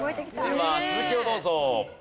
では続きをどうぞ。